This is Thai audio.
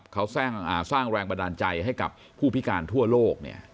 เขาสร้างแรงบันดาลใจให้กับผู้พิการทั่วโลก